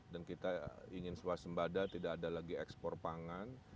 dan kita ingin suasembada tidak ada lagi ekspor pangan